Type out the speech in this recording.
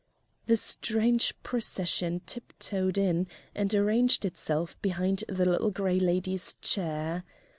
The strange procession tiptoed in and arranged itself behind the Little Gray Lady's chair.